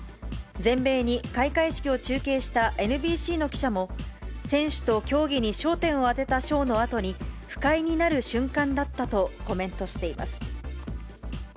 全米に開会式を中継したＮＢＣの記者も、選手と競技に焦点を当てたショーのあとに、不快になる瞬間だったとコメントしています。